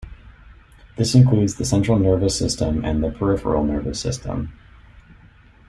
This includes the central nervous system and the peripheral nervous system.